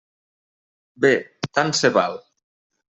Bé, tant se val.